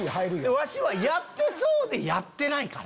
わしはやってそうでやってないから。